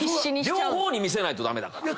両方に見せないと駄目だから。